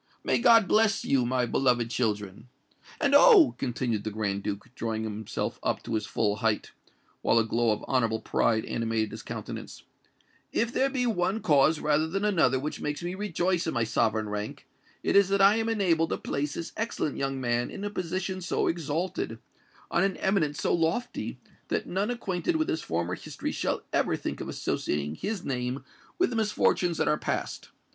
May God bless you, my beloved children! And, oh!" continued the Grand Duke, drawing himself up to his full height, while a glow of honourable pride animated his countenance, "if there be one cause rather than another which makes me rejoice in my sovereign rank, it is that I am enabled to place this excellent young man in a position so exalted—on an eminence so lofty—that none acquainted with his former history shall ever think of associating his name with the misfortunes that are past!